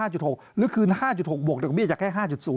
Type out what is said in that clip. หรือคืน๕๖บวกดอกเบี้ยจากแค่๕๐